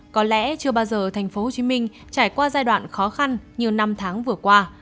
có lẽ chưa bao giờ tp hcm trải qua giai đoạn khó khăn như năm tháng vừa qua